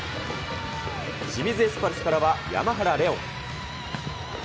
清水エスパルスからは、山原怜音。